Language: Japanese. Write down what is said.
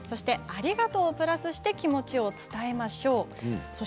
ありがとうをプラスして気持ちを伝えましょう。